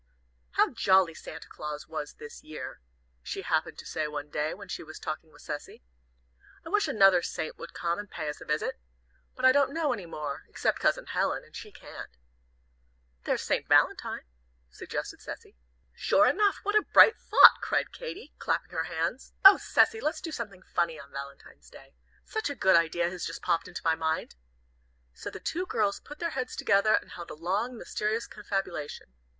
"How jolly Santa Claus was this year!" She happened to say one day, when she was talking with Cecy. "I wish another Saint would come and pay us a visit. But I don't know any more, except Cousin Helen, and she can't." "There's St. Valentine," suggested Cecy. "Sure enough. What a bright thought!" cried Katy, clapping her hands. "Oh, Cecy, let's do something funny on Valentine's Day! Such a good idea has just popped into my mind." So the two girls put their heads together and held a long, mysterious confabulation.